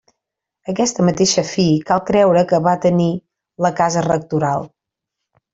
Aquesta mateixa fi cal creure que va tenir la casa rectoral.